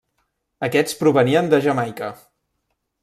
Aquests provenien de Jamaica.